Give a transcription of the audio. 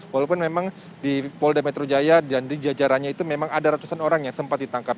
walaupun memang di polda metro jaya dan di jajarannya itu memang ada ratusan orang yang sempat ditangkap